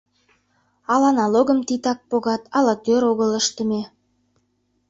Ала налогым титак погат, ала тӧр огыл ыштыме?